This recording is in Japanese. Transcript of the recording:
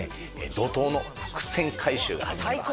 怒涛の伏線回収が始まりますね。